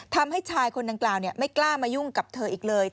ทำให้ชายคนดังกล่าวไม่กล้ามายุ่งกับเธออีกเลย